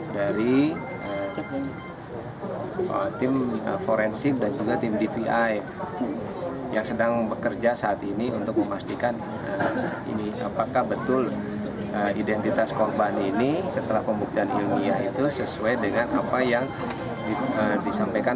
dari tim forensik dan juga tim dvi yang sedang bekerja saat ini untuk memastikan apakah betul identitas korban ini setelah pembuktian ilmiah itu sesuai dengan apa yang disampaikan